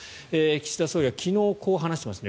岸田総理は昨日、こう話しています。